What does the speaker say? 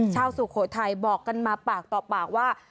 สุโขทัยบอกกันมาปากต่อปากว่า